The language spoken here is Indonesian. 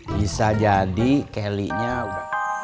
bisa jadi kelly nya udah